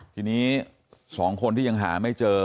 ทีนี้๒คนที่ยังหาไม่เจอ